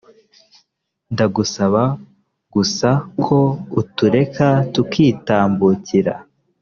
ndagusaba gusa ko utureka tukitambukira.